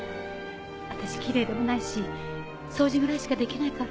私きれいでもないし掃除ぐらいしかできないから。